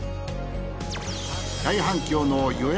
大反響の予約